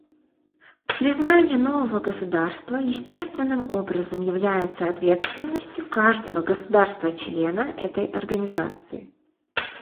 Признание нового государства естественным образом является ответственностью каждого государства-члена этой Организации.